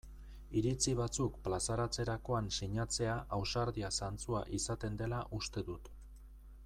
Iritzi batzuk plazaratzerakoan sinatzea ausardia zantzua izaten dela uste dut.